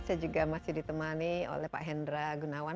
saya juga masih ditemani oleh pak hendra gunawan